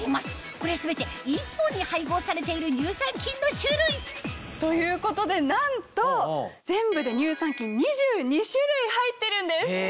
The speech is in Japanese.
これ全て１本に配合されている乳酸菌の種類ということでなんと全部で乳酸菌２２種類入ってるんです！